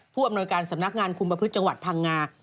อำนวยการสำนักงานคุมประพฤติจังหวัดพังงา